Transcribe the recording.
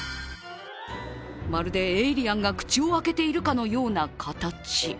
まるでエイリアンが口を開けているかのような形。